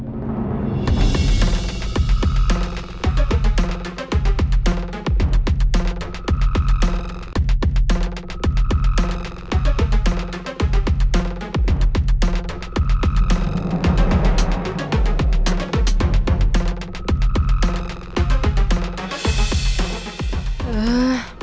semoga jumpa di saat penutup